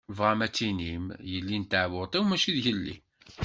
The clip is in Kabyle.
Tebɣam ad d-tinim yelli n tɛebbuṭ-iw mačči d yelli?